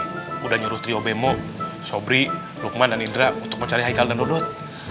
sudah nyuruh trio bemo sobri lukman dan indra untuk mencari haikal dan ludut